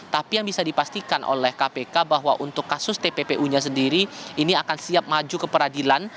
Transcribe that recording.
tapi yang bisa dipastikan oleh kpk bahwa untuk kasus tppu nya sendiri ini akan siap maju ke peradilan